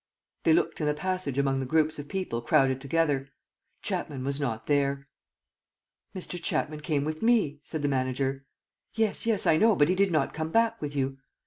They looked in the passage among the groups of people crowded together. Chapman was not there. "Mr. Chapman came with me," said the manager. "Yes, yes, I know, but he did not come back with you."